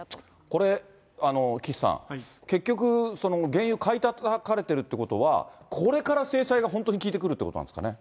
これ、岸さん、結局、原油買いたたかれてるということは、これから制裁が本当に効いてくるということなんですかね。